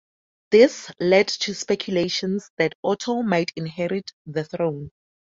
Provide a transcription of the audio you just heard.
This led to speculations that Otto might inherit the throne.